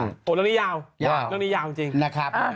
โหเรื่องนี้ยาวเรื่องนี้ยาวจริง